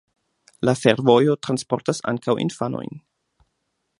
La fervojo transportas ankaŭ infanojn.